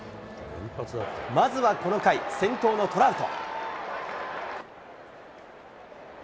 まずはこの回、先頭のトラウト。